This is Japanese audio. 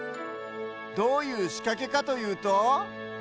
どういうしかけかというと。